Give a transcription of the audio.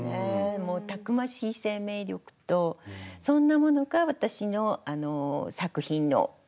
もうたくましい生命力とそんなものが私の作品の根源にもなっています。